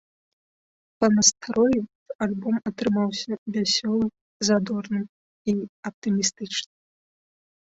Па настроі альбом атрымаўся вясёлым, задорным і аптымістычным.